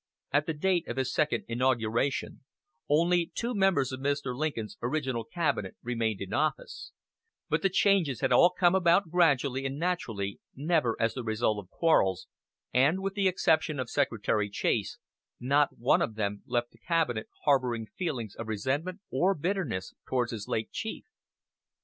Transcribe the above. At the date of his second inauguration only two members of Mr. Lincoln's original cabinet remained in office; but the changes had all come about gradually and naturally, never as the result of quarrels, and with the single exception of Secretary Chase, not one of them left the cabinet harboring feelings of resentment or bitterness toward his late chief.